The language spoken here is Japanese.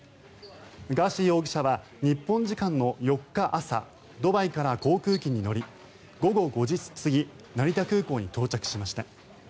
ガーシー容疑者は日本時間の４日朝ドバイから航空機に乗り午後５時過ぎ成田空港に到着しました。